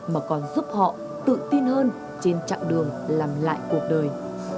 mà còn giúp họ tự tin hơn trên chặng đường làm lại cuộc đời